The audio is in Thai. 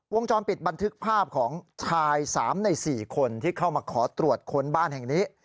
วงจรปิดบันทึกภาพของชาย๓ใน๔คนที่เข้ามาขอตรวจค้นบ้านแห่งนี้